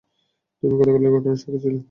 তুমিই গতকালের ঘটনার সাক্ষী ছিলে?